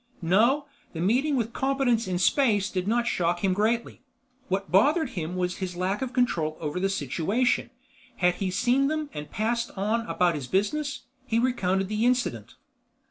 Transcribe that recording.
No, the meeting with competence in space did not shock him greatly. What bothered him was his lack of control over the situation. Had he seen them and passed on about his business, he recounted the incident.